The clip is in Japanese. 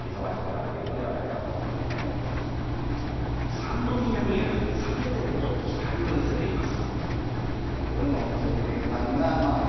三ノ宮にある酒店も期待を寄せています。